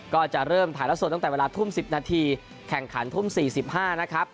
ก็จะเริ่มถ่ายละสดตั้งแต่เวลาทุ่ม๑๐นาทีแข่งขันทุ่ม๔๕นะครับ